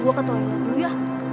gue kes sheikh dulu ya